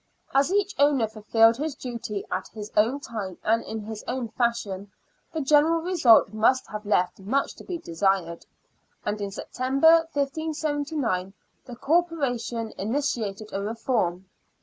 As each owner fulfilled his duty at his own time and in his own fashion, the general result must have left much to be desired, and in September, 1579, the Corporation initiated a reform.